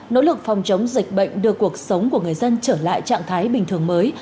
nỗ lực phòng chống dịch bệnh đưa cuộc sống của người dân trở lại trạng thái bình thường mới